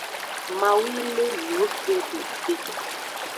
Mawu yi le miwo gbe do te.